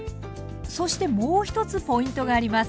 そしてもう一つポイントがあります。